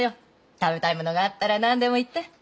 食べたいものがあったら何でも言って。